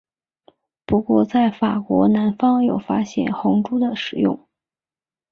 不过在法国南方有发现红赭的使用。